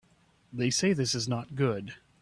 They say this is not good.